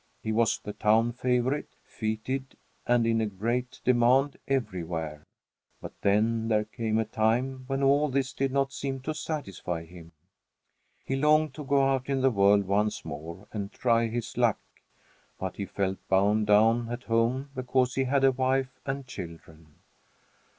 He was the town favorite, feted, and in great demand everywhere. But then there came a time when all this did not seem to satisfy him. He longed to go out in the world once more and try his luck; but he felt bound down at home because he had a wife and children.